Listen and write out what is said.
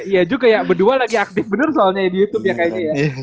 iya juga ya berdua lagi aktif bener soalnya di youtube ya kayaknya ya